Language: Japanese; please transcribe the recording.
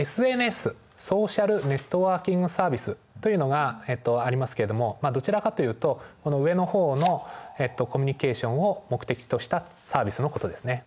ＳＮＳソーシャルネットワーキングサービスというのがありますけれどもどちらかというと上の方のコミュニケーションを目的としたサービスのことですね。